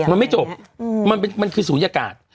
มันไม่จบมันคือศูนยากาศ